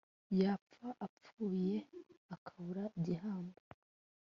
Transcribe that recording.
yaba apfuye akabura gihamba